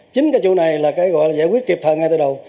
chính cái chỗ này là cái gọi là giải quyết kịp thời ngay từ đầu